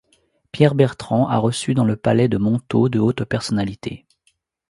Pierre Bertrand a reçu dans le palais de Montaut de hautes personnalités.